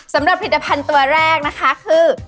สำหรับผลิตภัณฑ์ตัวแรกนะคะคือ